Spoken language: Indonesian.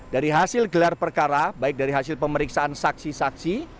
dari hasil gelar perkara baik dari hasil pemeriksaan saksi saksi